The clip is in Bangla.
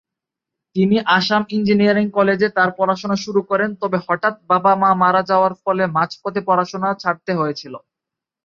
তিনি আসাম ইঞ্জিনিয়ারিং কলেজে তার পড়াশুনো শুরু করেন তবে হঠাৎ বাবা মারা যাওয়ার ফলে মাঝপথে পড়াশুনো ছাড়তে হয়েছিল।